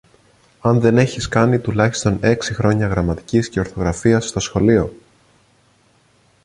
αν δεν έχεις κάνει τουλάχιστον έξι χρόνια γραμματικής και ορθογραφίας στο σχολείο